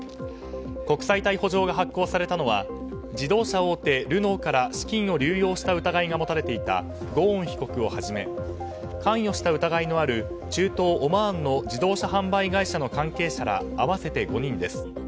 国際逮捕状が発行されたのは自動車大手ルノーから資金を流用した疑いが持たれていたゴーン被告をはじめ関与した疑いのある中東オマーンの自動車販売会社の関係者ら合わせて５人です。